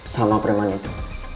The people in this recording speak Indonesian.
sama preman itu